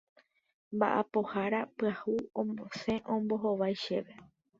Mba'apohára pyahu osẽ ombohovái chéve.